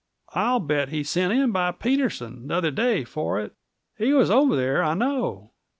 I'll bet he sent in by Peterson, the other day, for it. He was over there, I know.